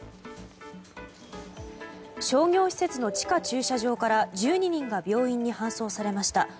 商業施設の地下駐車場から１２人が病院に搬送されました。